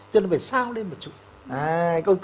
cho nên phải sao lên một chút